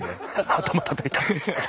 頭たたい。